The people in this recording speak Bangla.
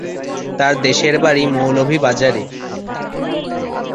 তার দেশের বাড়ি মৌলভীবাজারে।